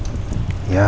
aku pikir aku sudah datang